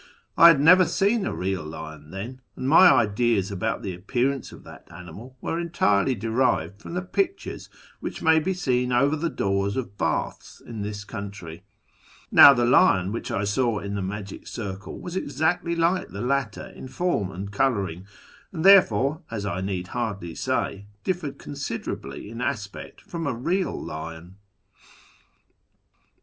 I had never seen a real lion then, and my ideas about the appearance of that animal were entirely derived from the pictures which may be seen over the doors of baths in this country. Now, the lion Avhicli I saw in the magic circle was exactly like the latter in form and colouring, and therefore, as I need hardly say, differed considerably in aspect from a real lion."